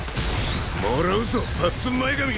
もらうぞパッツン前髪！